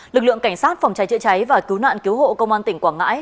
lực lượng cảnh sát phòng cháy chữa cháy và cứu nạn cứu hộ công an tỉnh quảng ngãi